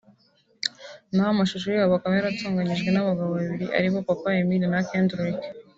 naho amashusho yayo akaba yaratunganyijwe n’abagabo babiri ari bo Papa Emile na Kedrick